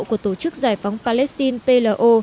của tổ chức giải phóng palestine plo